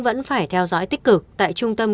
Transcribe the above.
vẫn phải theo dõi tích cực tại trung tâm